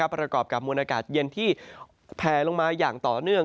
ประกอบกับมวลอากาศเย็นที่แพลลงมาอย่างต่อเนื่อง